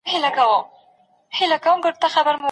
تاسو د سياست پوهني په اړه کتابونه ولولئ.